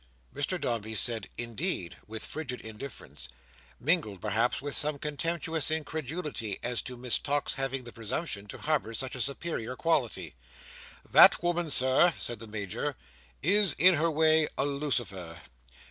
Mr Dombey said "Indeed?" with frigid indifference: mingled perhaps with some contemptuous incredulity as to Miss Tox having the presumption to harbour such a superior quality. "That woman, Sir," said the Major, "is, in her way, a Lucifer.